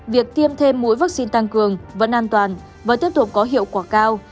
việc tiêm thêm mũi vaccine tăng cường vẫn an toàn và tiếp tục có hiệu quả cao